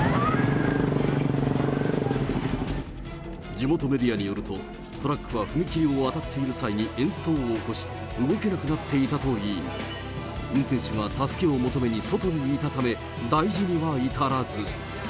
地元メディアによると、トラックは踏切を渡っている際にエンストを起こし、動けなくなっていたといい、運転手が助けを求めに外にいたため、大事には至らず。